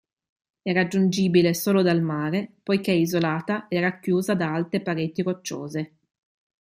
È raggiungibile solo dal mare poiché isolata e racchiusa da alte pareti rocciose.